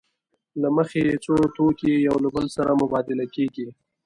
له مخې یې څو توکي یو له بل سره مبادله کېږي